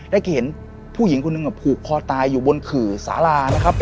ได้เห็นผู้หญิงคนหนึ่งผูกคอตายอยู่บนขื่อสารานะครับ